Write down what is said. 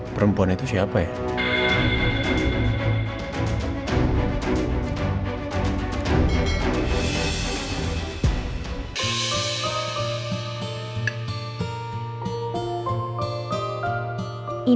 perempuan itu siapa ya